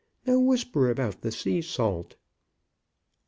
"Now whisper about the sea salt."